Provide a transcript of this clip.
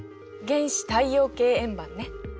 原始太陽系円盤ね。